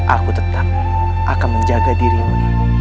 aku tetap akan menjaga dirimu